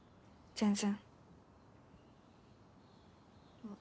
全然。